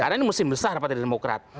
karena ini musim besar partai demokrat